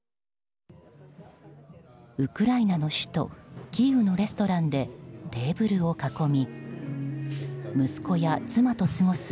ウクライナの首都キーウのレストランでテーブルを囲み息子や妻と過ごす